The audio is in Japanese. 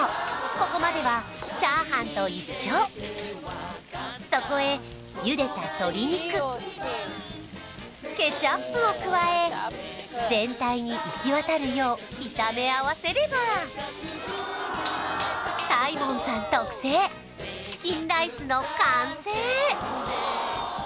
ここまではチャーハンと一緒そこへゆでた鶏肉ケチャップを加え全体に行き渡るよう炒め合わせれば太門さん特製チキンライスの完成